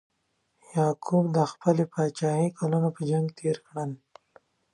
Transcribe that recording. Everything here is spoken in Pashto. یعقوب د خپلې پاچاهۍ کلونه په جنګ تیر کړل.